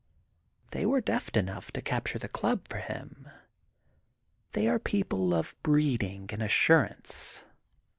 They were deft enough to capture the club for him. They are people of breeding and assurance.